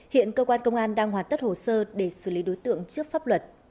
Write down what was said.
hiện cơ quan công an đang hoàn tất hồ sơ để xử lý đối tượng trước pháp luật